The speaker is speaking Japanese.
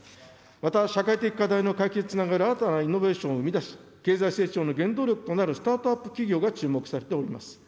また、社会的課題の解決につながる新たなイノベーションを生み出し、経済成長の原動力となるスタートアップ企業が注目されております。